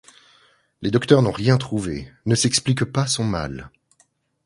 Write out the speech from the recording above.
Les docteurs n’ont rien trouvé, ne s'expliquent pas son mal.